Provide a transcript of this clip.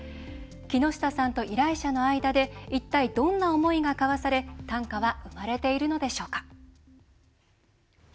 木下さんと依頼者の間で一体、どんな思いが交わされ短歌は生まれているのでしょうか。